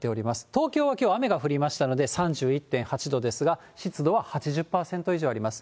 東京はきょう雨が降りましたので、３１．８度ですが、湿度は８０％以上あります。